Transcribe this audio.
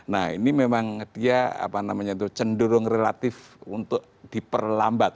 nah ini memang dia apa namanya itu cenderung relatif untuk diperlambat